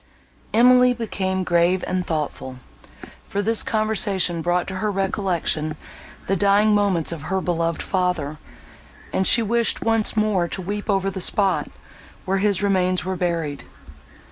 Emily became grave and thoughtful; for this conversation brought to her recollection the dying moments of her beloved father, and she wished once more to weep over the spot, where his remains were buried.